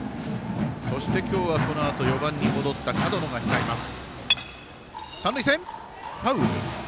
そして、今日はこのあと４番に戻った門野が控えます。